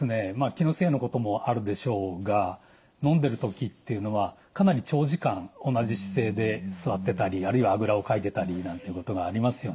気のせいのこともあるでしょうが飲んでる時っていうのはかなり長時間同じ姿勢で座ってたりあるいはあぐらをかいてたりなんていうことがありますよね。